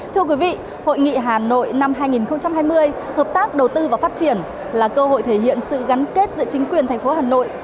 thưa quý vị hội nghị hà nội năm hai nghìn hai mươi hợp tác đầu tư và phát triển là cơ hội thể hiện sự gắn kết giữa chính quyền thành phố hà nội